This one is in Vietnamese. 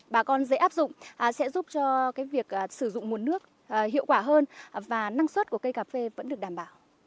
bà con dễ áp dụng sẽ giúp cho việc sử dụng nguồn nước hiệu quả hơn và năng suất của cây cà phê vẫn được đảm bảo